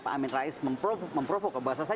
pak amin rais memprovoka bahasa saya